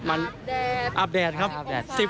อาบแดดครับ